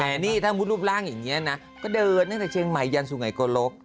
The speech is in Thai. แต่นี่ถ้ามุดรูปร่างอย่างนี้นะก็เดินตั้งแต่เชียงใหม่ยันสุไงโกลก